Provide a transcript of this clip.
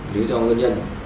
lý do ngân nhân